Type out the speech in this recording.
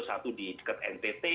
satu di dekat ntt